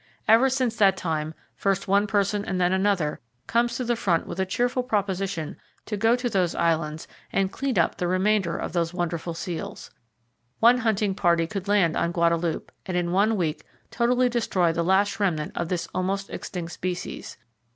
Ever since that time, first one person and then another comes to the front with a cheerful proposition to go to those islands and "clean up" all the remainder of those wonderful seals. One hunting party could land on Guadalupe, and in one week totally destroy the last remnant of this almost extinct species.